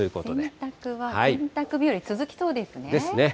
洗濯は、洗濯日和続きそうですね。ですね。